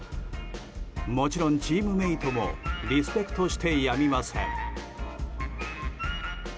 もちろんチームメートもリスペクトしてやみません。